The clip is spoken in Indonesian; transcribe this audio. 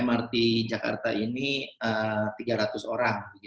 mrt jakarta ini tiga ratus orang